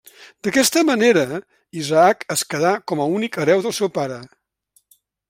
D'aquesta manera, Isaac es quedà com a únic hereu del seu pare.